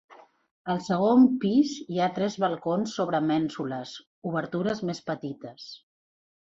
Al segon pis hi ha tres balcons sobre mènsules, obertures més petites.